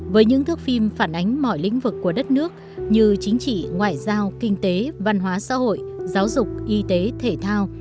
với những thước phim phản ánh mọi lĩnh vực của đất nước như chính trị ngoại giao kinh tế văn hóa xã hội giáo dục y tế thể thao